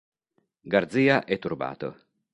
Garzia è turbato.